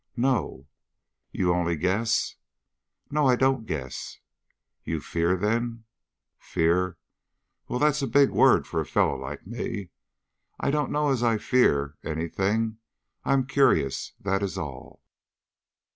"No." "You only guess?" "No, I don't guess." "You fear, then?" "Fear! Well, that's a big word to a fellow like me. I don't know as I fear any thing; I'm curious, that is all."